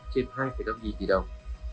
trên hai tám triệu tỷ đồng